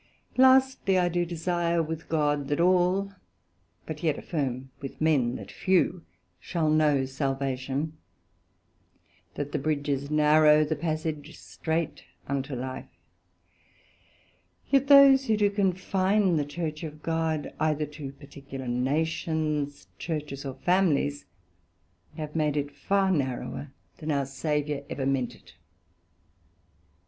Lastly, I do desire with God that all, but yet affirm with men, that few shall know Salvation; that the bridge is narrow, the passage strait unto life: yet those who do confine the Church of God, either to particular Nations, Churches or Families, have made it far narrower then our Saviour ever meant it.